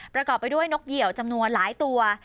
ประกอบไปด้วยนกเหี่ยวจำนวนหลายตัว